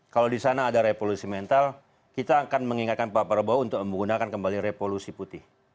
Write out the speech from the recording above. kalau di sana ada revolusi mental kita akan mengingatkan pak prabowo untuk menggunakan kembali revolusi putih